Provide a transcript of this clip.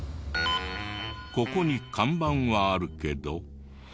ここに看板はあるけど。